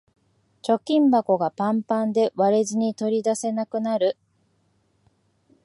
貯金箱がパンパンで割れずに取り出せなくなる